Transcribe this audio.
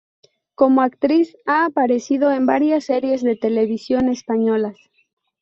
Como actriz ha aparecido en varias series de televisión españolas.